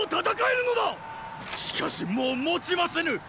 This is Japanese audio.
しかしもうもちませぬ！